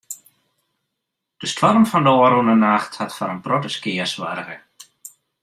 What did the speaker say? De stoarm fan de ôfrûne nacht hat foar in protte skea soarge.